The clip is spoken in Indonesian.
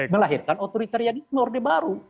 melahirkan otoritarianisme orde baru